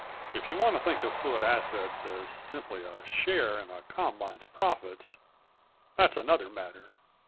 "If you want to think of fluid assets as simply a share in a Combine's profits, that's another matter.